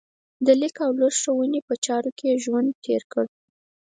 د لیک او لوست ښوونې په چارو کې یې ژوند تېر کړ.